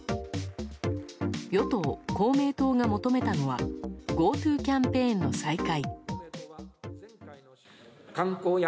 与党・公明党が求めたのはＧｏＴｏキャンペーンの再開。